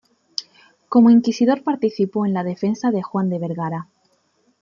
Como inquisidor participó en la defensa de Juan de Vergara.